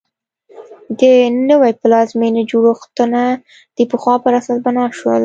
د نوې پلازمېنې جوړښتونه د پخوا پر اساس بنا شول.